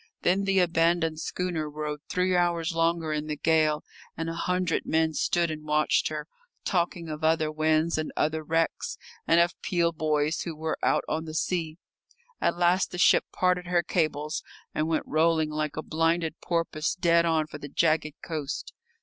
Then the abandoned schooner rode three hours longer in the gale, and a hundred men stood and watched her, talking of other winds and other wrecks, and of Peel boys who were out on the sea. At last the ship parted her cables and went rolling like a blinded porpoise dead on for the jagged coast.